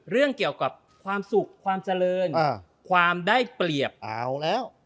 เรื่องเกี่ยวกับความสุขความเจริญความได้เปรียบเอาแล้ว